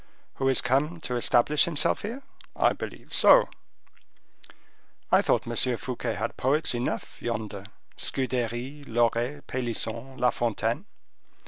"Who is come to establish himself here?" "I believe so." "I thought M. Fouquet had poets enough, yonder—Scudery, Loret, Pelisson, La Fontaine?